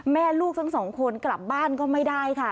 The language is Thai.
แม่ลูกทั้งสองคนกลับบ้านก็ไม่ได้ค่ะ